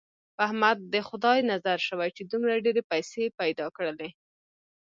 په احمد د خدای نظر شوی، چې دومره ډېرې پیسې یې پیدا کړلې.